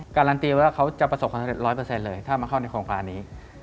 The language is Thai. การันตีว่าเขาจะประสบความสำเร็จ๑๐๐เลยถ้ามาเข้าในโครงการนี้